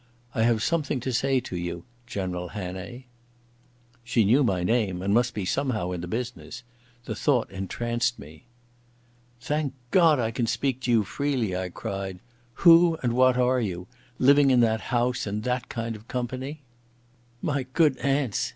I have something to say to you, General Hannay." She knew my name and must be somehow in the business. The thought entranced me. "Thank God I can speak to you freely," I cried. "Who and what are you—living in that house in that kind of company?" "My good aunts!"